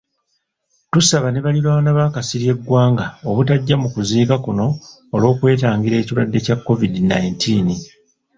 Tusaba ne balirwana ba Kasirye Gwanga obutajja mu kuziika kuno olw'okwetangira ekirwadde kya COVID nineteen.